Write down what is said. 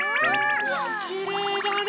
うわきれいだね。